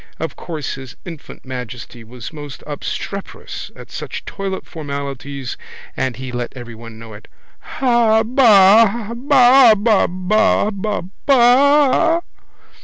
Of course his infant majesty was most obstreperous at such toilet formalities and he let everyone know it: —Habaa baaaahabaaa baaaa.